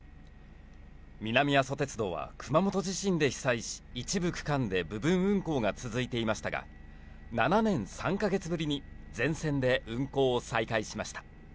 南阿蘇鉄道は熊本地震で被災し、一部区間で部分運行が続いていましたが、７年３か月ぶりに全線で運行を再開しました。